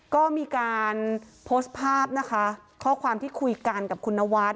ก็มีการโพสต์ภาพนะคะข้อความที่คุยกันกับคุณนวัด